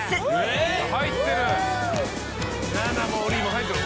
入ってる。